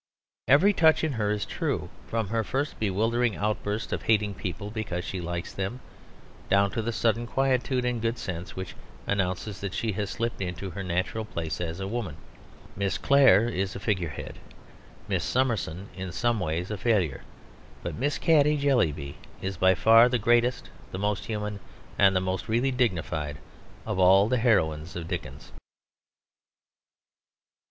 Every touch in her is true, from her first bewildering outbursts of hating people because she likes them, down to the sudden quietude and good sense which announces that she has slipped into her natural place as a woman. Miss Clare is a figure head, Miss Summerson in some ways a failure; but Miss Caddy Jellyby is by far the greatest, the most human, and the most really dignified of all the heroines of Dickens.